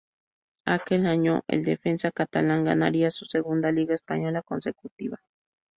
Aquel año, el defensa catalán ganaría su segunda Liga española consecutiva.